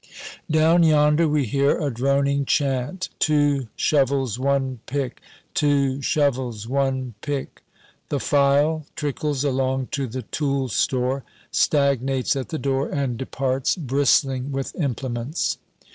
Down yonder we hear a droning chant "Two shovels, one pick, two shovels, one pick " The file trickles along to the tool store, stagnates at the door, and departs, bristling with implements.